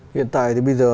hiện tại thì bây giờ